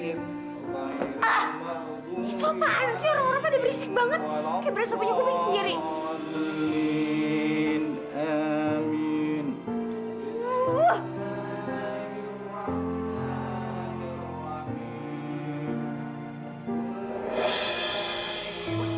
itu apaan sih orang orang pada berisik banget